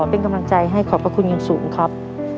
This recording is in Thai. เป็นกำลังใจให้ขอบพระคุณอย่างสูงครับ